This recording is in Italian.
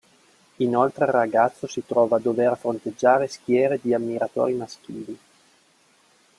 Inoltre, il ragazzo si trova a dover fronteggiare schiere di ammiratori maschili.